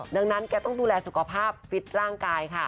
ดังนั้นแกต้องดูแลสุขภาพฟิตร่างกายค่ะ